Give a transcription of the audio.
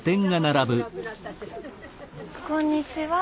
こんにちは。